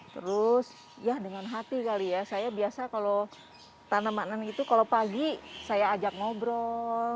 terus ya dengan hati kali ya saya biasa kalau tanamanan itu kalau pagi saya ajak ngobrol